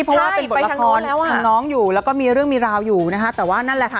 เพราะว่าเป็นบทละครของน้องอยู่แล้วก็มีเรื่องมีราวอยู่นะคะแต่ว่านั่นแหละค่ะ